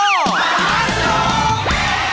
มาสลง